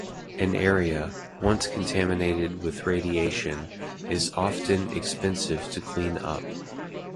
An area, once contaminated with radiation, is often expensive to clean up.